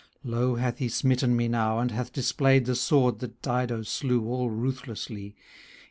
^ Low hath he smitten me now, and hath displayed The sword that Dido slew all ruthlessly.